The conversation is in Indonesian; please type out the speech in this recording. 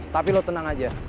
tapi lu teneng aja